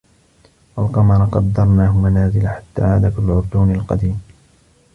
وَالقَمَرَ قَدَّرناهُ مَنازِلَ حَتّى عادَ كَالعُرجونِ القَديمِ